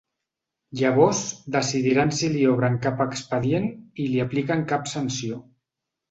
Llavors decidiran si li obren cap expedient i li apliquen cap sanció.